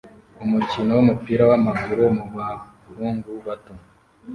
Umukino wumupira wamaguru mubahungu bato